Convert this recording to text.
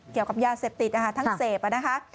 เกี่ยวกับยาเสพติดนะคะทั้งเสพนะคะ